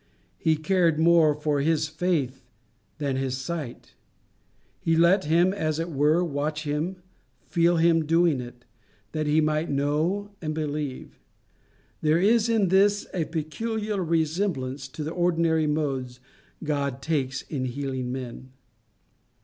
He cared more for his faith than his sight. He let him, as it were, watch him, feel him doing it, that he might know and believe. There is in this a peculiar resemblance to the ordinary modes God takes in healing men.